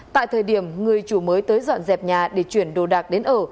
tại thời điểm người chủ mới tới dọn dẹp nhà để chuyển đồ đạc đến ở